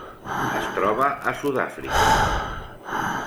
Es troba a Sud-àfrica.